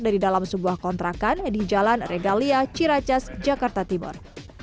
dari dalam sebuah kontrakan di jalan regalia ciracas jakarta timur